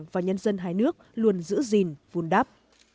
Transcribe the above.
và nhân dân hai nước luôn giữ gìn vun đắp